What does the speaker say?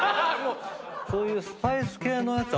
そういうスパイス系のやつ